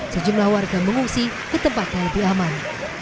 sejumlah warga mengungsi ke tempat yang lebih aman